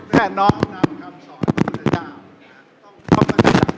แต่น้อมนำคำสอนพระพุทธเจ้า